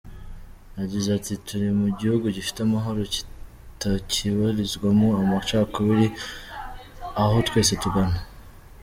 Yagize ati “Turi mu gihugu gifite amahoro kitakibarizwamo amacakubiri aho twese tungana.